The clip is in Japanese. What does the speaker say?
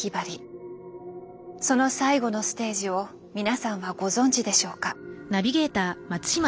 その最後のステージを皆さんはご存じでしょうか？